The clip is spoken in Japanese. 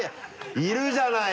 いるじゃない！